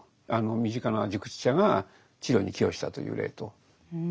身近な熟知者が治療に寄与したという例と。